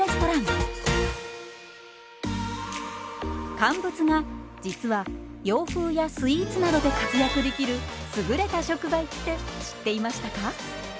乾物が実は洋風やスイーツなどで活躍できる優れた食材って知っていましたか？